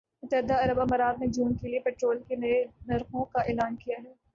متحدہ عرب امارات نے جون کے لیے پٹرول کے نئے نرخوں کا اعلان کیا ہے